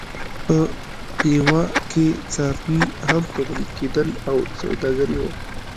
په پېوه کې څاروي هم پلورل کېدل او سوداګري وه.